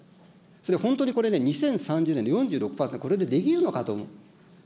それで本当にこれね、２０３０年４６％、これでできるのかと。